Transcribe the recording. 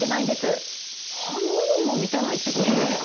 半分にも満たないってことですか？